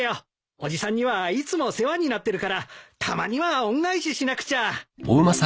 伯父さんにはいつも世話になってるからたまには恩返ししなくちゃ。